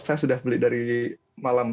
saya sudah beli dari malam